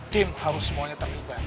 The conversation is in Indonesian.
tim harus semuanya terlibat